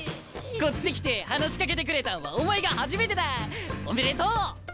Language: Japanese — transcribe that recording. こっち来て話しかけてくれたんはお前が初めてだ！おめでとう！